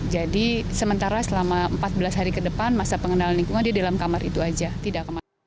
jadi sementara selama empat belas hari ke depan masa pengenalan lingkungan dia di dalam kamar itu saja